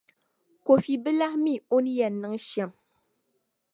Kofi bi lahi mi o ni yɛn niŋ shɛm.